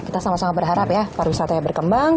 kita sama sama berharap ya pariwisatanya berkembang